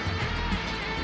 jangan makan aku